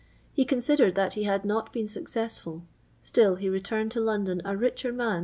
He conxidAcA that he had not been successful ; stiTl he returned to London a richer man by 26«.